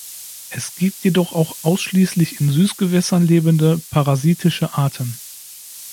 Es gibt jedoch auch ausschließlich in Süßgewässern lebende parasitische Arten.